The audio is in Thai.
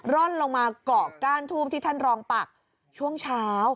ร่อนลงมาเกาะก้านทูบที่ท่านรองปักช่วงเช้า